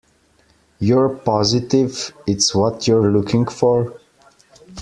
You're positive it's what you're looking for?